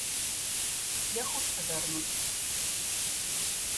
Я хутка вярнуся...